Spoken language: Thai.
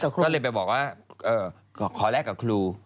ก็เลยไปบอกว่าขอแลกกับครู